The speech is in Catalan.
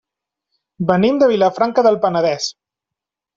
Venim de Vilafranca del Penedès.